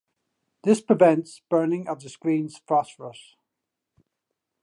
This prevents burning of the screen's phosphors.